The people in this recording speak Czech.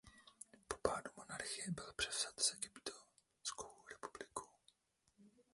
Po pádu monarchie byl převzat i Egyptskou republikou.